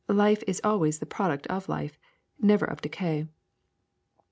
Life is always the product of life, never of decay.